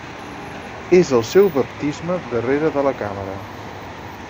És el seu baptisme darrere de la càmera.